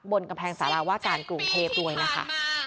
บนกำแพงสาราว่าการกรุงเทพด้วยนะคะ